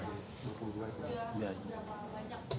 yang sudah dicatat oleh bmkg